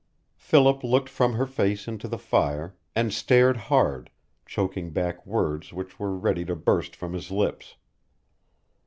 Philip looked from her face into the fire, and stared hard, choking back words which were ready to burst from his lips.